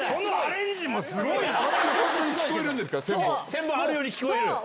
千本あるように聞こえる！